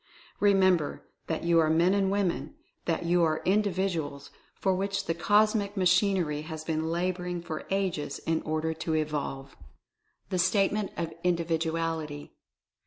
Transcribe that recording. Remember that you are Men and Women — that you are Individuals for which the cosmic machinery has been laboring for ages in order to evolve. THE STATEMENT OF INDIVIDUALITY.